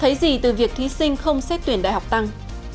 thấy gì từ việc thí sinh không xét tuyển đại học tăng